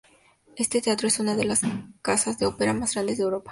Este teatro es una de las casas de ópera más grandes de Europa.